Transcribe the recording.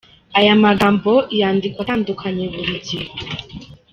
Aya magambo yandikwa atandukanye buri gihe.